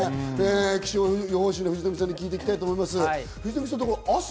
気象予報士の藤富さんに聞いていきたいと思います。